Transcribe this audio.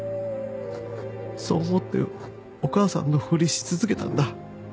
そう思ってお母さんのふりし続けたんだ。